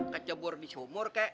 kecebur di sumur kek